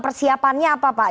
persiapannya apa pak